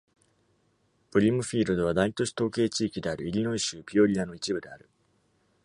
ブリムフィールドは、大都市統計地域であるイリノイ州ピオリアの一部である。